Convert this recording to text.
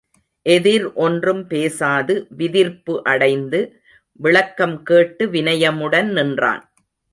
எதிர் ஒன்றும் பேசாது விதிர்ப்பு அடைந்து விளக்கம் கேட்டு வினயமுடன் நின்றான்.